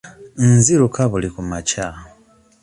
Nziruka buli kumakya.